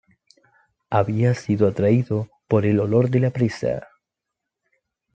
Había sido atraído por el olor de la presa.